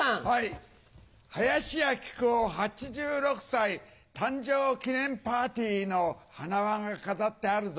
林家木久扇８６歳誕生記念パーティーの花輪が飾ってあるぞ。